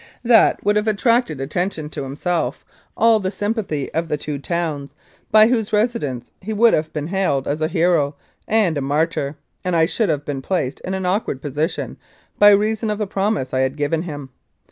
That would have attracted to him 273 Mounted Police Life in Canada self all the sympathy of the two towns, by whose residents he would have been hailed as a hero and a martyr, and I should have been placed in an awkward position by reason of the promise I had given him.